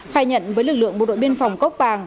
khai nhận với lực lượng bộ đội biên phòng cốc bàng